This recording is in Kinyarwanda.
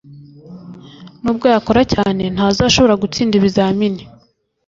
nubwo yakora cyane, ntazashobora gutsinda ibizamini